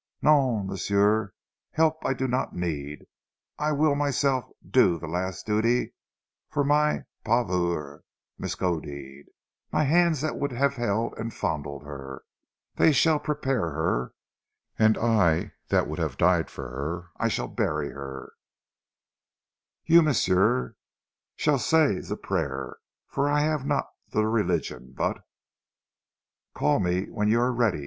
"Non! m'sieu. Help I do not need. I weel myself do zee las' duty for ma pauvre Miskodeed. My hands that would haf held an' fondled her, dey shall her prepare; an' I dat would haf died for her I shall her bury. You, m'sieu, shall say zee prayer, for I haf not zee religion, but " "Call me when you are ready!"